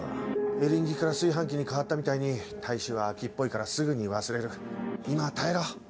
「エリンギ」から「炊飯器」に変わったみたいに大衆は飽きっぽいからすぐに忘れる今は耐えろ。